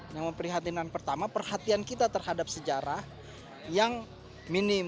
yang memprihatinkan pertama perhatian kita terhadap sejarah yang minim